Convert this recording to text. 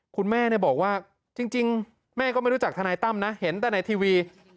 คุณแม่บอกว่าจริงแม่ก็ไม่รู้จักทนายตั้มนะเห็นแต่ในทีวี